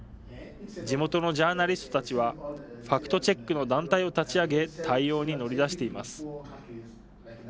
地元のジャーナリストたちはファクトチェックの団体を立ち上げ対応に乗り出しています。